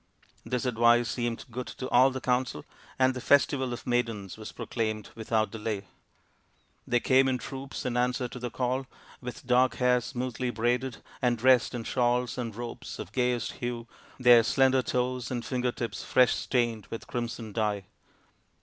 This advice seemed good to all the council, and the festival of maidens was proclaimed without 166 THE INDIAN STORY BOOK delay. They came in troops in answer to the call, with dark hair smoothly braided and dressed in shawls and robes of gayest hue, their slender toes and finger tips fresh stained with crimson dye.